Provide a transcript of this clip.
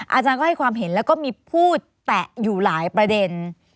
อาจารย์ก็ให้ความเห็นแล้วก็มีพูดแตะอยู่หลายประเด็น